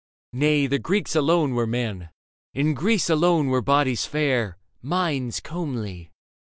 Nay, the Greeks alone Were men ; in Greece alone were bodies fair, Minds comely.